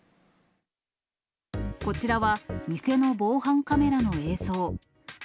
こちらは、店の防犯カメラの映像。